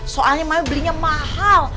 soalnya mami belinya mahal